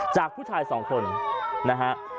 จากผู้ชายสองคนนะฮะ